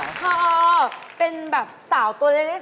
พอเป็นแบบสาวตัวเล็ก